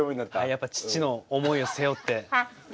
やっぱり父の思いを背負って。